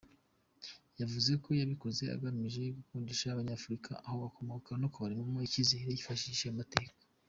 Yavuze ko yayikoze agamije gukundisha Abanyafurika aho bakomoka no kubaremamo icyizere yifashishije amateka.